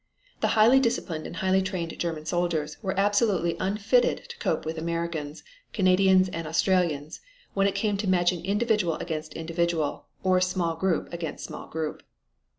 The highly disciplined and highly trained German soldiers were absolutely unfitted to cope with Americans, Canadians and Australians when it came to matching individual against individual, or small group against small group.